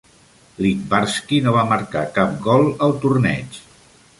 Littbarski no va marcar cap gol al torneig.